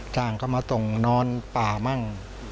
จ้างเขามาส่งนอนป่ามั่ง